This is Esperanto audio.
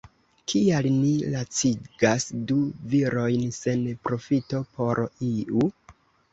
Kial ni lacigas du virojn sen profito por iu?